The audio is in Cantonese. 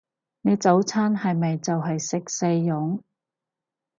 你早餐係咪就係食細蓉？